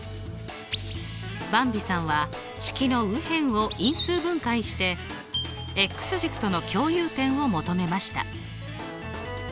ばんびさんは式の右辺を因数分解して軸との共有点を求めました。